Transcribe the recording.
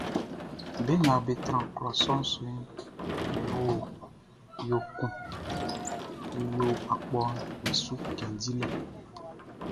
Be nga be tran klɔ sɔʼn suʼn, be bo yo kun be yo akpɔʼm be su cɛn dilɛ.